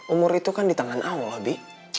umur itu kan di tangan allah be